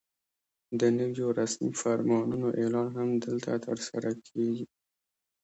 د نویو رسمي فرمانونو اعلان هم دلته ترسره کېږي.